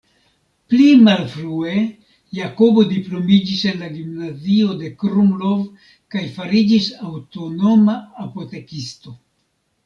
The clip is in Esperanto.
Pli malfrue Jakobo diplomiĝis en la Gimnazio de Krumlov kaj fariĝis aŭtonoma apotekisto.